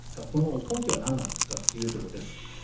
この根拠は何なんですかということです。